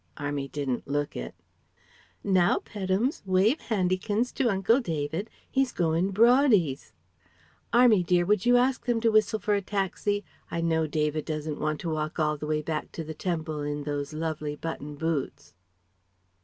('Army' didn't look it.) "Now pettums! Wave handikins to Uncle David. He's goin' broadies. 'Army' dear, would you ask them to whistle for a taxi? I know David doesn't want to walk all the way back to the Temple in those lovely button boots."